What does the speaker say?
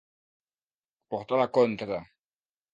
Portar la contra.